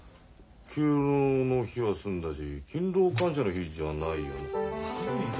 敬老の日は済んだし勤労感謝の日じゃないよな。